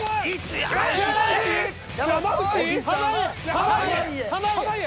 濱家！